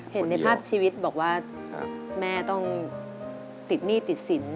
เห็นในภาพชีวิตบอกว่าแม่ต้องติดหนี้ติดสิน